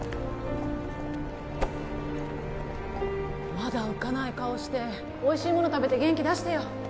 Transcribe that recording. まだ浮かない顔しておいしい物食べて元気出してよ